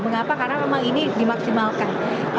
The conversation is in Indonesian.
mengapa karena memang ini dimaksimalkan